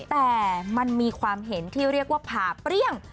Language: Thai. แต่มันมีความเห็นที่เรียกว่าผ่าเปรี้ยง